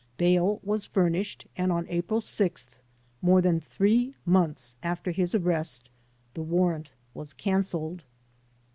Bail was furnished and on April 6th, more than three months after his arrest, the warrant was cancelled.